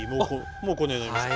もうこんなになりました。